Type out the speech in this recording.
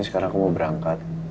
sekarang aku mau berangkat